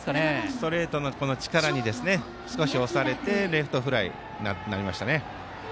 ストレートの力に少し押されてレフトフライになりました。